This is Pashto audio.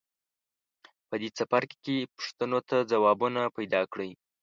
په دې څپرکي کې پوښتنو ته ځوابونه پیداکړئ.